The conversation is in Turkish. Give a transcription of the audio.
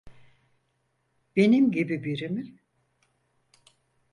Benim gibi biri mi?